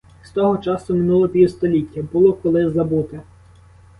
З того часу минуло півстоліття, було коли забути.